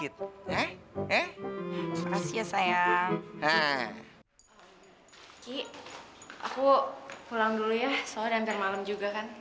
aku pulang dulu ya soalnya udah hampir malem juga kan